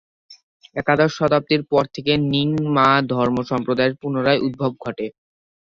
একাদশ শতাব্দীর পর থেকে র্ন্যিং-মা ধর্মসম্প্রদায়ের পুনরায় উদ্ভব ঘটে।